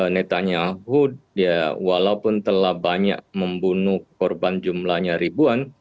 netanyahu ya walaupun telah banyak membunuh korban jumlahnya ribuan